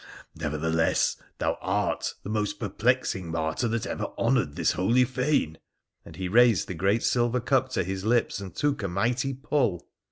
Neverthe less, thou art the most perplexing martyr that ever honoured this holy faae '— and he raised the great silver cup to his lips and took a mighty pull.